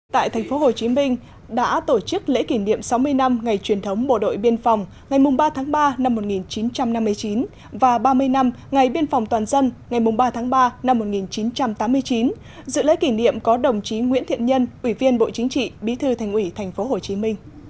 tại tp hcm đã tổ chức lễ kỷ niệm sáu mươi năm ngày truyền thống bộ đội biên phòng ngày ba tháng ba năm một nghìn chín trăm năm mươi chín và ba mươi năm ngày biên phòng toàn dân ngày ba tháng ba năm một nghìn chín trăm tám mươi chín dự lễ kỷ niệm có đồng chí nguyễn thiện nhân ủy viên bộ chính trị bí thư thành ủy tp hcm